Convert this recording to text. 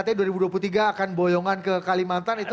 jadi katanya dua ribu dua puluh tiga akan boyongan ke kalimantan itu